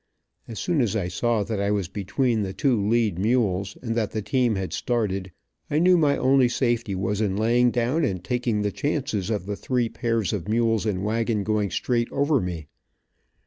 As soon as I saw that I was between the two lead mules, and that the team had started, I knew my only safety was in laying down and taking the chances of the three pairs of mules and wagon going straight over me.